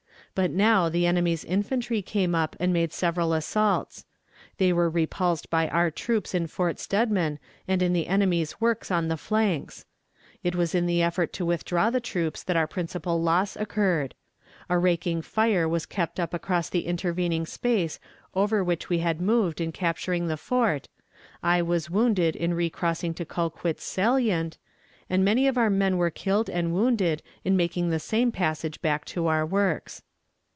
But now the enemy's infantry came up and made several assaults. They were repulsed by our troops in Fort Steadman and in the enemy's works on its flanks. It was in the effort to withdraw the troops that our principal loss occurred. A raking tire was kept up across the intervening space over which we had moved in capturing the fort, I was wounded in recrossing to Colquitt's Salient, and many of our men were killed and wounded in making the same passage back to our works.